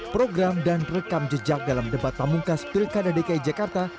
program dan rekam jejak dalam debat pamungkas pilkada dki jakarta